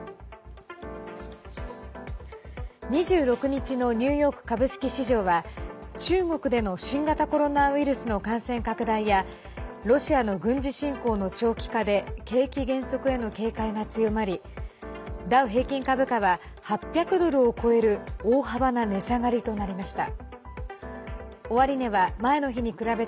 ２６日のニューヨーク株式市場は中国での新型コロナウイルスの感染拡大やロシアの軍事侵攻の長期化で景気減速への警戒が強まりダウ平均株価は８００ドルを超える大幅な値下がりとなりました。